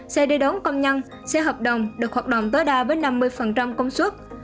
xe đi đón công nhân xe hợp đồng được hoạt động tối đa với năm mươi công suất